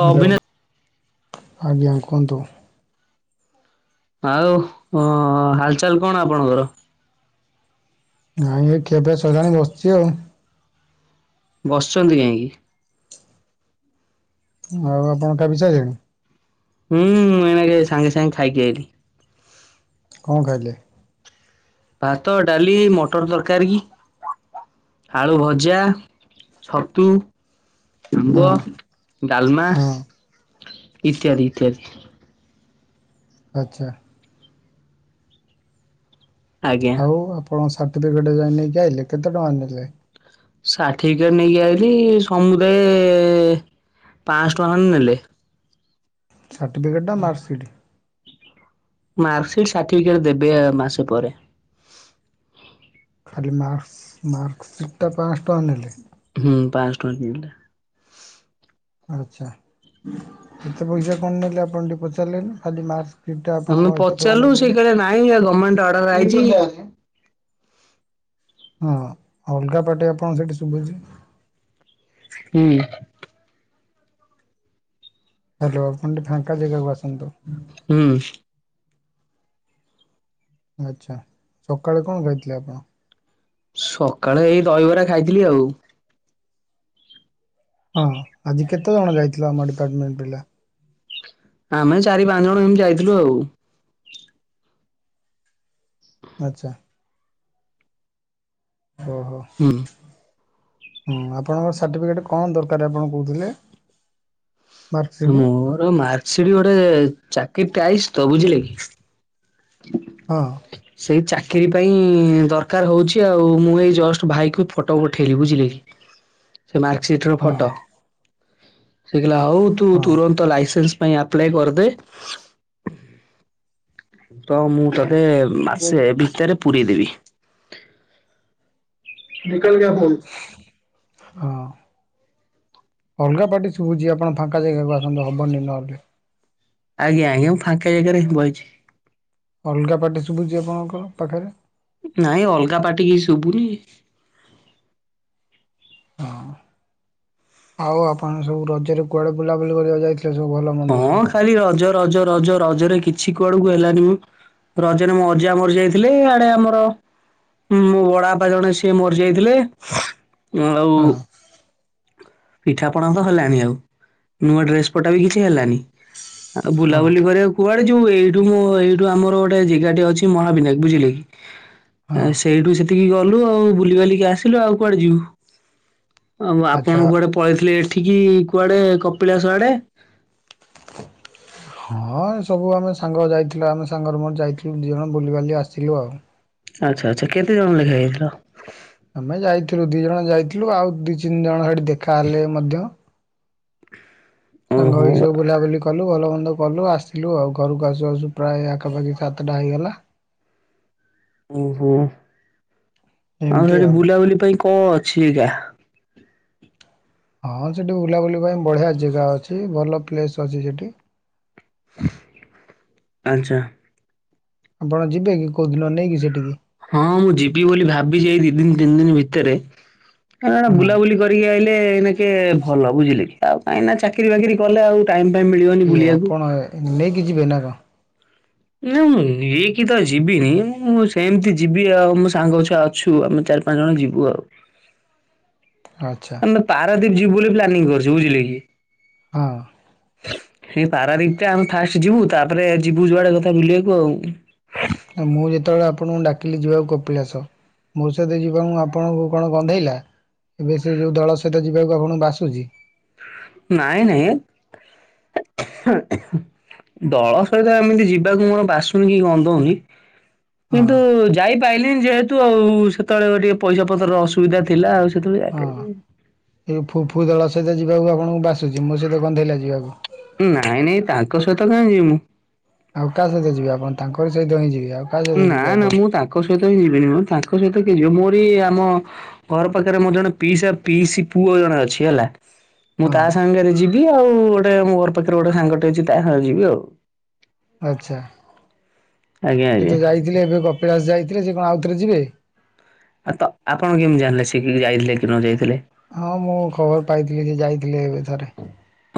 Hello ଆଜ୍ଞା କୁହନ୍ତୁ? ଆଉ ହାଲଚାଲ୍ କଣ ଆପଣଙ୍କର? ନାଇଁ ଏ ଖିଆପିଆ ସଇଲାଣି ବସିଛି ଆଉ। ବସିଛନ୍ତି କାହିଁକି? ଆଉ ଆପଣ ଖାଇପିଇ ସାଇଲେଣି? ହୁଁ ମୁଁ ଏଇନାକେ ସାଙ୍ଗେ-ସାଙ୍ଗେ ଖାଇକି ଆଇଲି। କଣ ଖାଇଲେ? ଭାତ, ଡାଲି, ମଟର ତରକାରୀ ଆଳୁ ଭଜା, ଛତୁ ହଁ ଆମ୍ବ ଡାଲମା ହଁ ଇତ୍ୟାଦି-ଇତ୍ୟାଦି ଆଚ୍ଛା। ଆଜ୍ଞା ଆଉ ଆପଣଙ୍କ ସାର୍ଟିଫିକେଟ୍ ଯାଇ ନେଇକି ଆଇଲେ କେତେ ଟଙ୍କା ନେଲେ? ସାଠିଫିକେଟ୍ ନେଇକି ଆଇଲି ସମୁଦାୟ ପାଆଁସ ଟଙ୍କା ଖଣ୍ଡେ ନେଲେ। ସାର୍ଟିଫିକେଟ୍ ନା ମାର୍କସିଟ୍? ମାର୍କସିଟ୍ ସାର୍ଟିଫିକେଟ୍ ଦେବେ ଏ ମାସେ ପରେ। ଖାଲି ମାର୍କସ୍ ମାର୍କସିିଟ୍ ଟା ପାଆଁସ ଟଙ୍କା ନେଲେ? ହୁଁ ପାଆଁସ ଟଙ୍କା ନେଲେ। ଆଚ୍ଛା କେତେ ପଇସା କଣ ନେଲେ ଆପଣ ଟିକେ ପଚାରିଲେନି ଖାଲି ମାର୍କସ୍ ଆମେ ପଚାରିଲୁ ସେଏ କହିଲେ ନାଇଁ ଗମେଣ୍ଟ ଅର୍ଡର ଆଇଚି। ହଁ ଅଲଗା ପାଟି ଆପଣଙ୍କ ସେଇଠି ଶୁଭୁଚି। ହୁଁ। ହାଲୋ ଆପଣ ଟିକେ ଫାଙ୍କା ଜେଗାକୁ ଆସନ୍ତୁ। ହୁଁ। ଆଚ୍ଛା ସକାଳେ କଣ ଖାଇଥିଲେ ଆପଣ? ସକାଳେ ଏଇ ଦହିବରା ଖାଇଥିଲି ଆଉ। ହଁ ଆଜି କେତେଜଣ ଯାଇଥିଲ ଆମ ଡିପାର୍ଟମେଣ୍ଟ ପିଲା? ଆମେ ଚାରି ପାଞ୍ଚ ଜଣ ଏମିତି ଯାଇଥିଲୁ ଆଉ। [unintelligible] ଆଚ୍ଛା। ଓହୋ। ହୁଁ। ହୁଁ ଆପଣଙ୍କ ସାର୍ଟିଫିକେଟ୍ କଣ ଦରକାର୍ ଆପଣ କହୁଥିଲେ? ମାର୍କସିଟ୍ ମୋର ମାର୍ସିଡି ଗୋଟେ ଚାକିରି ଟ ଆଇସ ତ ବୁଝିଲେ କି। ହ ହଁ ସେଇ ଚାକିରିୀ ପାଇଁ ଦରକାର ହଉଛି ଆଉ ମୁଁ ଏଇ ଜଷ୍ଟ ଭାଇ କ ଫଟୋ ପଠେଇଲି ବୁଝିଲେ କି। ହ ସେ ମାର୍କସିଟ ର ଫଟୋ ସେ କହିଲା ହଉ ତୁ ହଁ ତୁରନ୍ତ ଲାଇସେନ୍ସ। ପାଇଁ ଆପ୍ଲାଏ କରିଦେ ତ ମୁଁ ତତେ ମାସେ ଭିତରେ ପୁରେଇ ଦେବି। ନିକଲ ଗେୟା ଫୁଲ ହଁ ଅଲଗା ପାର୍ଟି ଶୁଭୁଛି ଆପଣ ଫାଙ୍କା ଜାଗାକୁ ଆସନ୍ତୁ ହବନି ନହେଲେ। ଆଜ୍ଞା ଆଜ୍ଞାଁ ଫାଙ୍କ ଜାଗାରେ ବହିଛି। ଅଲଗା ପାର୍ଟି ଶୁଭୁଛି ଆପଣଙ୍କ ପାଖରେ। ନାଇଁ ଅଲଗା ପାଟିକ ଶୁଭୁନି। ହଁ ଆଉ ଆପଣ ସବୁ ରଜରେ କୁଆଡେ ବୁଲାବୁଲି କରିବାକୁ ଯାଇଥିଲେ ସବୁ ଭଲ ମନ୍ଦ ହଁ ସବୁ ଖାଲି ରଜ ରଜ ରଜ ରଜରେ କିଛି କୁଆଡକୁ ହେଲାନି ମୁଁ ରଜରେ ମୋ ଅଜା ମରି ଯାଇଥିଲି ଇଆଡେ ଆମର ହଁ ମୋ ବଡ ବାପା ଜଣେ ସିଏ ମରିଯାଇଥିଲେ ଆଉ ହଁ ପିଠାପଣା ତ ହେଲାନି ଆଉ ନୂଆ ଡ୍ରେସ ପଟା ବି କିଛି ହେଲାନି। ଆଉ ହଁ ବୁଲାବୁଲି କରିବାକୁ କୁଆଡେ ଯୋଉ ଏଇଠୁ ମୋ ଏଇଠୁ ଆମର ଗୋଟେ ଜାଗାଟେ ଅଛି ମହାବିନାୟ ବୁଝିଲେ କି। ଆ ହଁ ସେଇଠୁ ସେତିକି ଗଲୁ ଆଉ ବୁଲି ବଲିକି ଆସିଲୁ ଆଉ କୁଆଡେ ଯିବୁ। ଆଉ ଆଚ୍ଛା ଆପଣ କୁଆଡେ ପଳେଇଥିଲେ ଏଠିକି କୁଆଡେ କପିଳାସ ଆଡେ ହଁ ସବୁ ଆମେ ସାଙ୍ଗ ଯାଇଥିଲୁ ଆମେ ସାଙ୍ଗରେ ମୋର ଯାଇଥିଲୁ ଦି ଜଣ ବୁଲିିବାଲି ଆସିଥିଲୁ ଆଉ ଆଚ୍ଛା ଆଚ୍ଛା କେତେ ଜଣ ଲେଖା ଇଥିଲ ଆମେ ଯାଇଥିଲୁ ଦି ଜଣ ଯାଇଥିଲୁ ଆଉ ଦି ତିନି ଜଣ ସେଠ ଦେଖ କା ହେଲେ ମଧ୍ୟ ସାଙ୍ଗ ଓହୋ ଏଇ ସବୁ ବୁଲାବୁଲି କଲୁ ଭଲ ମନ୍ଦ କଲୁ ଆସିଲୁ ଆଉ ଘରକୁ ଆସୁ ଆସୁ ପ୍ରାୟ ଆଖପାଖି ସାତଟା ହେଇଗଲା। ଓହୋ ଆଉ ସେଠି ବୁଲାବୁଲି ପାଇଁ କଣ ଅଛି ଆ୍ିକା ହଁ ସେଠି ବୁଲାବୁଲି ପାଇଁ ବଢ଼ିଆ ଜାଗା ଅଛି ଭଲ ପ୍ଲେସ୍ ଅଛି ସେଠି। ଆଚ୍ଛା। ଆପଣ ଯିବେ କି କୋଉଁ ଦିନ ନେଇକି ସେଠିକି ହଁ ମୁଁ ଯିବି ବୋଲି ଭାବିଛି ଏଇ ଦି ଦିନ ତିନି ଦିନ ଭିତରେ ଏ ହଁ ବୁଲାବୁଲି କରି କରିକି ଆଇଲେ ଏଇନା କେ ଭଲ ବୁଝିଲେ କି ଆଉ କାହିଁନା ଚାକିରି ବାକିରି କଲେ ଆଉ ଟାଇମ୍ ଫାଇମ୍‌ ମିଳିବ। କି ଆପଣ ନେଇକି ଯିବେ ନା କଣ? ନାଁ ମୁଁ ନେଇକି ତ ଯିବିନି ମୁଁ ସେମିତି ଯିବି ଆଉ ମୋ ସାଙ୍ଗ ଛୁଆ ଅଛୁ ଆମେ ଚାରି ପାଞ୍ଚ ଜଣ ଯିବୁ ଆଉ। ଆଚ୍ଛା ଆମେ ପାରାଦୀପ ଯିବୁ ବୋଲି ପ୍ାନିଂ କରିଛି ବୁଝିଲେ କି। ହଁ ଏଇ ପାରାଦୀପଟା ଆମେ ଫାଷ୍ଟ ଯିବୁ ତାପରେ ଯିବୁ ଯୁଆଡେ କଥା ବୁଲିବାକୁ ଆଉ ମୁଁ ଯେତେବେଳେ ଆପଣଙ୍କୁ ଡାକିଲି ଯିବାକୁ କପିଳାସ ମୋ ସହିତ ଯିବାକୁ ଆପଣଙ୍କୁ କଣ ଗନ୍ଧେଇଲା। ଏବେ ସେ ଯେଉଁ ଦଳ ସହିତ ଯିବାକୁ ଆପଣଙ୍କୁ ବାସୁଛି। ନାଇଁ ନାଇଁ ଦଳ ସହିତ ଏମିତି ଯିବାକୁ କଣ ବାସୁନି କି କନ୍ଦଉନି ହଁ କିନ୍ତୁ ଯାଇପାଇଲିନୀ ଯେହେତୁ ଆଉ ସେତେବେଳେ ଟିକେ ପଇସା ପତ୍ରର ଅସୁବିଧା ଥିଲା ଆଉ। [unintelligible] ଏ ଫୁ ଫୁ ଦଳ ସହିତ ଯିବାକୁ ଆପଣଙ୍କୁ ବାସୁଛି ମୋ ସହିତ ଗନ୍ଧେଇଲା ଯିବାକୁ। ନାଇଁ ନାଇଁ ତାଙ୍କ ସହିତ କାହିଁ ଯିବି ମୁଁ। ଆଉ କାହା ସହିତ ଯିବେ ଆପଣ? ତାଙ୍କରି ସହିତ ହିଁ ଯିବେ। ଆଉ କାହା ସହିତ ନା ଯିବେ ନା, ଆପଣ ମୁଁ ତାଙ୍କ ସହିତ ହିଁ ଯିବିନି, ମୁ ତାଙ୍କ ସହିତ କେ ଯିବ ମୋରି ଆମ ଘର ପାଖରେ ମୋର ଜଣେ ପିଇସା ପିଇସି ପୁଅ ଜଣେ ଅଛି ହେଲା। ମୁଁ ହଁ ତା ସାଙ୍ଗରେ ଯିବି ଆଉ, ଗୋଟେ ମୋ ଘର ପାଖରେ ଗୋଟେ ସାଙ୍ଗଟି ଅଛି ତା ସାଙ୍ଗରେ ଯିବି ଆଉ। ଆଛା, ଆଜ୍ଞା ସେ ଆଜ୍ଞା ତ ଯାଇଥିଲେ ଏବେ କପିଳାସ ଯାଇଥିଲେ, ସେ କଣ ଆଉଥରେ ଯିବେ? ଆ ତ ଆପଣ କେମିତି ଜାଣିଲେ ସେ କି ଯାଇଥିଲେ କି ନ ଯାଇଥିଲେ? ହଁ, ମୁଁ ଖବର ପାଇଥିଲି ଯେ ଯାଇଥିଲେ ଏବେ ଥରେ।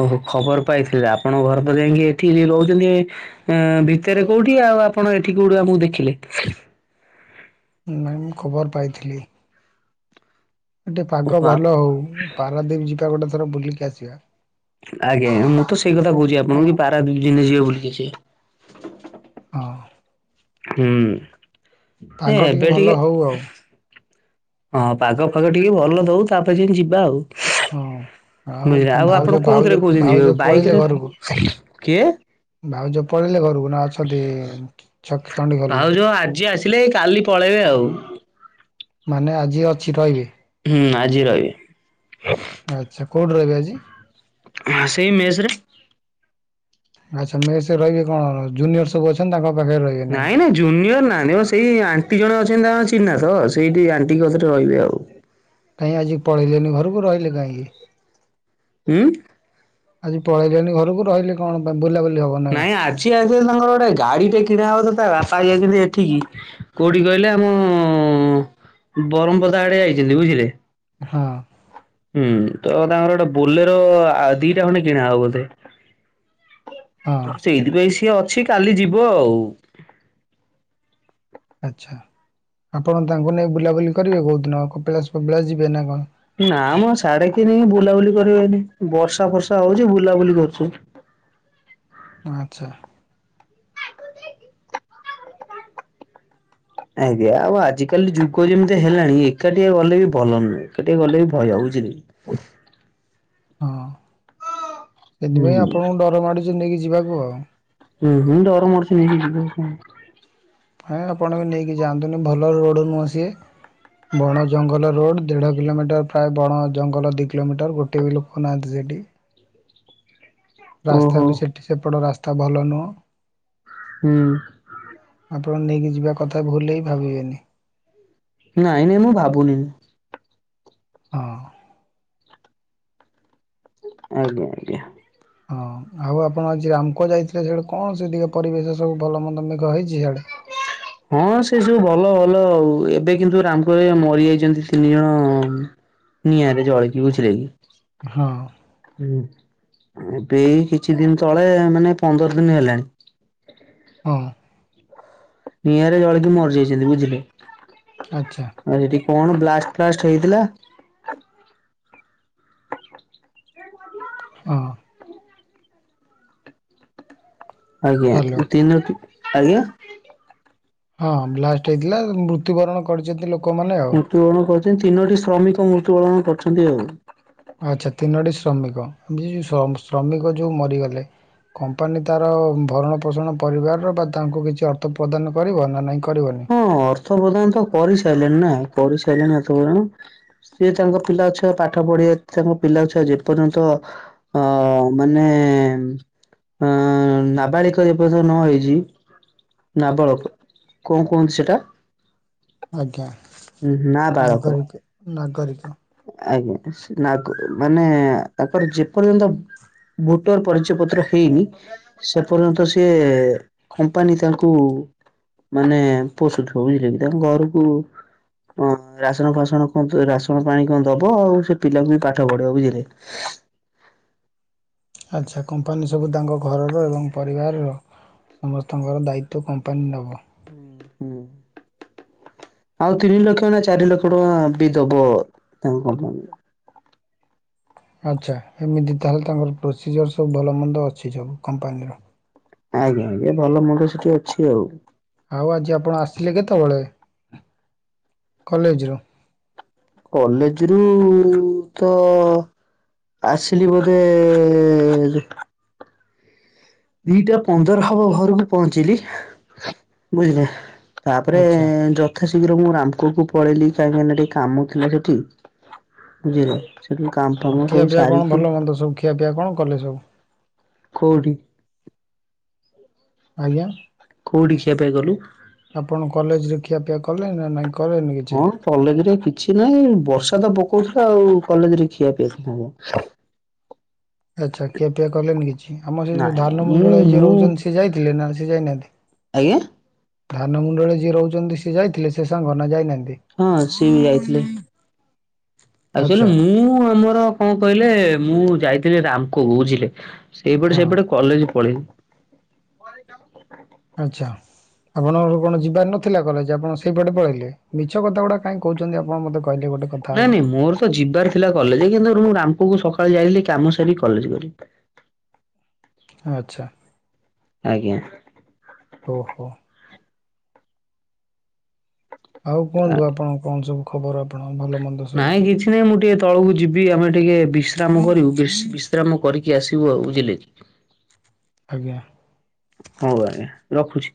ଓହୋ, ଖବର ପାଇଥିଲେ, ଆପଣ ଘର ତ ଯାଇକି ଏଠି ରହୁଛନ୍ତି। ଅ ଭିତରେ କୋଉଠି, ଆଉ ଆପଣ ଏଠି କୋଉଠି ଆମକୁ ଦେଖିଲେ? ନାଇଁ ମୁଁ ଖବର ପାଇଥିଲି। ଏଠେ ପାଗ ଓହୋ ଭଲ ହଉ। ପାରାଦୀପ ଯିବା ଗୋଟେ ଥର ବୁଲିକି ଆସିବା। ଆଜ୍ଞା, ମୁଁ ତ ସେଇ କଥା କହୁଛି ଆପଣଙ୍କୁ କି ପାରାଦୀପ ଯିବା ବୁଲିକି ଆସିବା। ହଁ। ହୁଁ। ଏ ପାଗ ଟିକେ ଏବେ ଭଲ ହେଉ ଆଉ। ହଁ, ପାଗ ଫାଗ ଟିକେ ଭଲ ଦଉ, ତାପରେ ଯଦି ଯିବା ହଁ। ଆଉ ଆଉ। ଯାହାହଉ ଭାଉଜ ଆପଣ ଭାଉଜ କୋଉଥିରେ କହୁଛନ୍ତି ଭାଉଜ ଯିବାକୁ, ପଳେଇଲେ ବାଇକରେ? ଘରକୁ କିଏ? ଭାଉଜ ପଳେଇଲେ ଘରକୁ ନା ଅଛନ୍ତି। ଚଣ୍ଡିଖୋଲରେ ଭାଉଜ ଆଜି ଆସିଲେ, କାଲି ପଳେଇବେ ଆଉ। ମାନେ ଆଜି ଅଛି ରହିବେ? ହୁଁ ଆଜି ରହିବେ। ଆଛା, କଉଠି ରହିବ ଆଜି? ସେଇ ମେସେରେ। ଆଛା ମେସେରେ ରହିବେ କଣ, ଜୁନିୟର ସବୁ ଅଛନ୍ତି, ତାଙ୍କ ପାଖରେ ରହିବେ? ନା କଣ? ନାଇଁ ନାଇଁ। ଜୁନିୟର ନା ସେଇ ଆଣ୍ଟି ଜଣେ ଅଛନ୍ତି ଆ ଚିହ୍ନା ତ ସେଇଠି ଆଣ୍ଟି କଥରେ ରହିବେ ଆଉ। କାଇଁ ଆଜି ପଳେଇଲେନି ଘରକୁ, ରହିଲେ କାହିଁକି? ହୁଁ। ଆଜି ପଳେଇଲେଣି ଘରକୁ, ରହିଲେ କଣ ପାଇଁ ବୁଲାବୁଲି ହବନି? ନାଇଁ ଆଜି ଆଜି ତାଙ୍କର ଗୋଟେ ଗାଡି ଟେ କିଣା ହବ ତ ତା ବାପା ଯନ୍ତ ଏଠିକି। କୋଉଠି କହିଲେ ଆମ ବରମପଦା ଆଡେ ଯାଇଛନ୍ତି ବୁଝିଲେ? ହଁ ଅ ହୁଁ, ତ ତାଙ୍କର ଗୋଟେ ବୋଲେର ଦିଟା ଖଣ୍ଡେ କିଣା ହବ ବୋଧେ? ହଁ ସେଇଥିପାଇଁ ସିଏ ଅଛି, କାଲି ଯିବ ଆଉ। ଆଛା, ଆପଣ ତାଙ୍କୁ ନେଇ ବୁଲାବୁଲି କରିବେ, କେଉଁ ଦିନ କପିଳା କପିଳାସ ଯିବେ ନା କଣ? ନା ଆମ ସାଢେ ତିନି ବୁଲାବୁଲି କରିବେନି ବର୍ଷା ଫର୍ଷା ହଉଛି ବୁଲାବୁଲି କରୁଛୁ। ଆଛା। ଆଜ୍ଞା, ଆଉ ଆଜିକାଲି ଯୁଗ ଯେମିତି ହେଲାଣି ଏକାଟିଆ ଗଲେ ବି ଭଲ ନୁହେଁ, ଏକାଟିଆ ଗଲେ ବି ଭୟ ହଉଛି। ହଁ, ହୁଁ ସେଥିପାଇଁ ଆପଣଙ୍କୁ ଡର ମାଡୁଛି ନେଇକି ଯିବାକୁ ଆଉ। ହୁଁ ହଁ ଡର ମାଡୁଛି ନେଇ ଯିବାକୁ। ହାଇଁ ଆପଣ ବି ନେଇକି ଯାଆନ୍ତୁନି, ଭଲ ରୋଡ଼ ନୁହଁ ସିଏ। ବଣ ଜଙ୍ଗଲ ରୋଡ, ଦେଢ଼ କିଲୋମିଟର ପ୍ରାୟ ବଣ ଜଙ୍ଗଲ ଦି କିଲୋମିଟର ଗୋଟେ ବି ଲୋକ ରଖୁନାହାନ୍ତି ସେଠି, ରାସ୍ତା ଓହୋ ବି ସେଠି ସେପଟ ରାସ୍ତା ଭଲ ନୁହଁ। ହୁଁ। ଆପଣ ନେଇକି ଯିବା କଥା ଭୁଲ ରେ ବି ଭାବିବେନି? ନାଁ ନାଇଁ ମୁଁ ଭାବୁନି। ହଁ ଆଜ୍ଞା ଆଜ୍ଞା ହଁ ଆଉ ଆପଣ ଆଜି ରାମକୋ ଯାଇଥିଲେ ସେଇଆଡ଼େ କଣ ସେଠିକା ପରିବେଶ ସବୁ ଭଲ ମନ୍ଦ ମେଘ ହେଇଛି ହିଆଡ଼େ। [inaudible] ହଁ ସେ ସବୁ ଭଲ ଭଲ ଆଉ ଏବେ କିନ୍ତୁ ରାମକରେ ମରି ଯାଇଛନ୍ତି ତିନି ଜଣ ନିଆଁରେ ଜଳିକି ବୁଝିଲେ କି। ହଁ। ହୁଁ ଏବେ କିଛି ଦିନ ତଳେ ମାନେ ପନ୍ଦର ଦିନ ହେଲାଣି। ହଁ। ନିଆଁରେ ଜଳିକି ମରିଯାଇଛନ୍ତି ବୁଝିଲେ। ଆଚ୍ଛା। ଏଠି କଣ ବ୍ଲାଷ୍ଟ ଫ୍ଲାଷ୍ଟ ହେଇଥିଲା। ହଁ। ହ୍ୟାଲୋ ଆଜ୍ଞା ତିନ ଆଜ୍ଞା। ହଁ ବ୍ଲାଷ୍ଟ ହେଇଥିଲା ମୃତ୍ୟୁବରଣ କରିଛନ୍ତି ଲୋକମାନେ ଆଉ। ମୃତ୍ୟୁବରଣ କରଛନ୍ତି ତିନୋଟି ଶ୍ରମିକ ମୃତ୍ୟୁବରଣ କରୁଛନ୍ତି ଆଉ ଆଚ୍ଛା ତିନୋଟି ଶ୍ରମିକ ଯ ଶ୍ରମିକ ଯୋଉ ମରିଗଲେ କମ୍ପାନୀ ତାର ଭରଣ ପୋଷଣ ପରିବାରର ବା ତାଙ୍କୁ କିଛି ଅର୍ଥ ପ୍ରଦାନ କରିବ ନା ନାଇଁ କରିବନି। ହଁ ଅର୍ଥ ପ୍ରଦାନ ତ କରି ସାରିଲେଣିି ନା କରି ସାଇଲେଣିି ଅର୍ଥ ପ୍ରଦାନ। ସିଏ ତାଙ୍କ ପିଲା ଛୁଆ ପାଠ ପଢିବା ତାଙ୍କ ପିଲା ଛୁଆ ଯେ ପର୍ଯ୍ୟନ୍ତ ହଁ ମାନେ ଅଁ ନାବାଳିକ ଯେ ପର୍ଯ୍ୟନ୍ତ ନ ହେଇଛି ନାବାଳକ କଣ କୁହନ୍ତି ସେଟା ଆଜ୍ଞା ନାବାଳକ ନାଗରିକ ନାଗରିକ। ଆଜ୍ଞା ନାଗ ମାନେ ତାଙ୍କର ଯେପର୍ଯ୍ୟନ୍ତ ଭୋଟର ପରିଚୟ ପତ୍ର ହେଇନି ସେ ପର୍ଯ୍ୟନ୍ତ ସିଏ କମ୍ପାନୀ ତାଙ୍କୁ ମାନେ ପୋଷୁଥିବ ବୁଝିଲେ କି ତାଙ୍କ ଘରକୁ ହଁ ରାସନ ଫାସଣ କଣ ରାସ୍ କଣ ପାଇଁ କଣ ଦବ ସେ ପିଲାଙ୍କୁ ବି ପାଠ ପଢେଇବ ବୁଝିଲେ। ଆଚ୍ଛା କମ୍ପାନୀ ସବୁ ତାଙ୍କ ଘରର ଏବଂ ପରିବାରର ସମସ୍ତଙ୍କର ଦାୟିତ୍ଵ କମ୍ପାନୀ ନବ। ହୁଁ। ଆଉ ତିନି ଲକ୍ଷ ନା ଚାରି ଲକ୍ଷ ଟଙ୍କା ବି ଦବ ତାଙ୍କ କମ୍ପାନୀରେ। ଆଚ୍ଛା ଏମିତି ତାହେଲେ ତାଙ୍କର ପ୍ରୋସିଜିର ସବୁ ଭଲମନ୍ଦ ଅଛି ସବୁ କମ୍ପାନୀର। ଆଜ୍ଞା ଆଜ୍ଞା ଭଲ ମନ୍ଦ ସେଠି ଅଛି ଆଉ। ଆଉ ଆଜି ଆପଣ ଆସିଲେ କେତେ ବେଳେ କଲେଜରୁ। କଲେଜ ରୁ ତ ଆସିଲି ବୋଧେ ଦିଟା ଦିଟା ପନ୍ଦର ହବ ଘରକୁ ପହଞ୍ଚିଲି ବୁଝିଲେ। ତାପରେ ଆଚ୍ଛା ଯ ଯଥା ଶୀଘ୍ର ମୁଁ ରାମକୋକୁ ପଳେଇଲି କାହିଁକି ନା ଟିକେ କାମ ଥିଲା ସେଠି ବୁଝିଲେ। ସେଠୁ କାମ ଫାମ ସବୁ ସାରିକି ଖିଆ ପିଆ କଣ କଲେ ସବୁ। କୋଉଠି? ଆଜ୍ଞା। କୋଉଠି ଖିଆ ପିଆ ଗଲୁ। ଆପଣ କଲେଜରେ ଖିଆପିଆ କଲେ ନା ନାଇଁ କଲେନି ହଁ କିଛି। କଲେଜ ରେ କିଛି ନାହିଁ ବର୍ଷା ତ ପକଉଥିଲା ଆଉ କଲେଜ ରେ ଖିଆ ପିଇଆ କଣ ହବ। ଆଚ୍ଛା ଖିଆପିଆ କଲେନି କିଛି ଆମର ସେ ଯଉ ନାଇଁ ନାଇଁ ଧାନ ମୁଁ ମୁଣ୍ଡଳ ଯିଏ ମୁଁ ରହୁଛନ୍ତି ସିଏ ଯାଇଥିଲେ ନା ସିଏ ଯାଇନାହାନ୍ତି। ଆଜ୍ଞା। ଧାନ ମୁଣ୍ଡଳରେ ଯିଏ ରହୁଚନ୍ତି ସିଏ ଯାଇଥିଲେ ସେ ସାଙ୍ଗ ନା ଯାଇନାହାନ୍ତି। ହଁ ସିଏ ବି ଯାଇଥିଲେ ଏକ୍ଟୁଆଳି ଆଚ୍ଛା ମୁଁ ଆମର କଣ କହିଲେ ମୁଁ ଯାଇଥିଲି ରାମକୁ ବୁଝିଲେ ସେଇପଟେ ହଁ ସେପଟେ କଲେଜ ପଳେଇଲି। ଆଚ୍ଛା। ଆପଣଙ୍କର କଣ ଯିବାର ନଥିଲା କଲେଜ ଆପଣ ସେଇପଟେ ପଳେଇଲେ ମିଛ କଥା ଗୁଡା କାହିଁ କହୁଛନ୍ତି ଆପଣ ମତେ କ ନାଇଁ ନାଇଁ ମୋର ତ ଯିବାର ଥିଲା କଲେଜ କିନ୍ତୁ ମୁଁ ରାମପୁକୁ ସକାଳେ ଯାଇ ଥିଲି କାମ ସାରିକି କଲେଜ ଗଲି। ଆଚ୍ଛା। ଆଜ୍ଞା। ଓଃ ହୋ। ଆଉ କୁହନ୍ତୁ ଆପଣ କଣ ସବୁ ଖବର ଆପଣ ଭଲ ମନ୍ଦ ସବୁ। କିନାଁ ମୁଁ ଟିକେ ତଳକୁ ଯିବି ଆମେ ଟିକେ ବିଶ୍ରାମ କରିବୁ ବିଶ୍ ବିଶ୍ରାମ କରିକି ଆସିବୁ ଆଉ ବୁଝିଲେ କି? ଆଜ୍ଞା। ହଉ ଆଜ୍ଞା ରଖୁଛି।